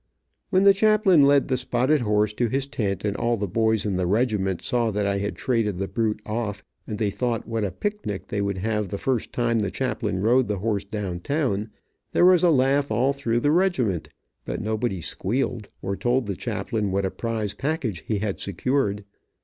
When the chaplain led the spotted horse to his tent, and all the boys in the regiment saw that I had traded the brute off, and they thought what a pic nic they would have the first time the chaplain rode the horse down town, there was a laugh all through the regiment, but nobody squealed, or told the chaplain what a prize package he had secured.